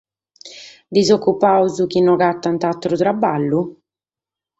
Disocupados chi no agatant àteru traballu?